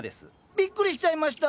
びっくりしちゃいました。